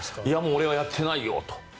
俺はもうやってないよと。